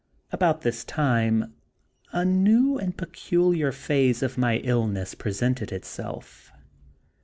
About this time a new and peculiar phase of my illness presented itself.